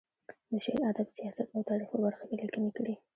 د شعر، ادب، سیاست او تاریخ په برخه کې یې لیکنې کړې.